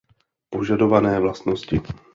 Požadované vlastnosti.